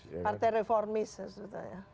partai reformis sebetulnya